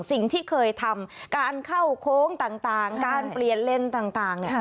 สิ่งที่เคยทำการเข้าโค้งต่างการเปลี่ยนเลนส์ต่าง